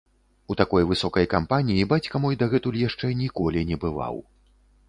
У такой высокай кампаніі бацька мой дагэтуль яшчэ ніколі не бываў.